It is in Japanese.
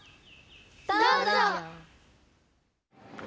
どうぞ！